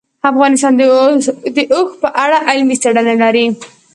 افغانستان د اوښ په اړه علمي څېړنې لري.